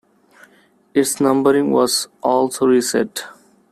Its numbering was also reset.